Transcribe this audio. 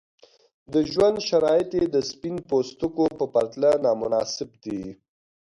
د ژوند شرایط یې د سپین پوستکو په پرتله نامناسب دي.